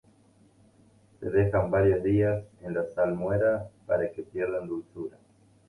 Se dejan varios días en la salmuera para que pierdan dureza.